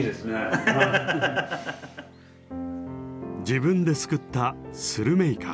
自分ですくったスルメイカ。